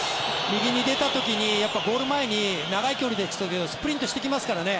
右に出た時にゴール前に長い距離でもスプリントしてきますからね。